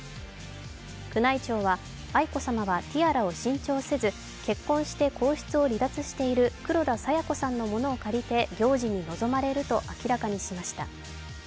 宮内庁は愛子さまはティアラを新調せず結婚して皇室を離脱している黒田清子さんのものを借りて行事に臨まれると明らかにしました。